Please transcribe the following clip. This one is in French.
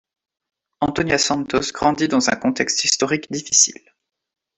Antonia Santos grandit dans un contexte historique difficile.